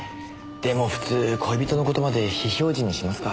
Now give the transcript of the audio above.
でも普通恋人の事まで非表示にしますか？